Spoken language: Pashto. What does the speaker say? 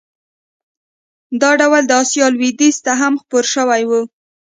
دا ډول د اسیا لوېدیځ ته هم خپور شوی و.